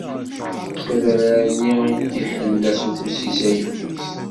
S adrar-nni i d-iḥella s ufus-is ayeffus.